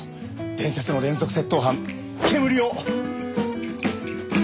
伝説の連続窃盗犯けむりを！